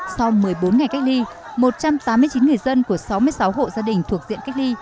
sau một mươi bốn ngày cách ly một trăm tám mươi chín người dân của sáu mươi sáu hộ gia đình thuộc diện cách ly